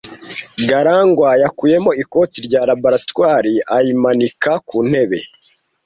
Garangwa yakuyemo ikote rya laboratoire ayimanika ku ntebe.